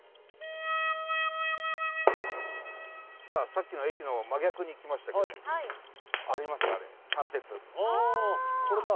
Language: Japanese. さあさっきの駅の真逆に来ましたけど。